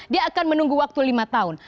dia akan menunggu waktu lima tahun